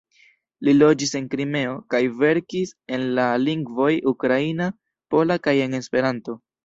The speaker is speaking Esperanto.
Li loĝis en Krimeo, kaj verkis en la lingvoj ukraina, pola kaj en Esperanto.